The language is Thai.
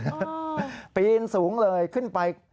ปีนสูงเลยขึ้นไป